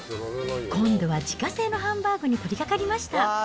今度は自家製のハンバーグに取りかかりました。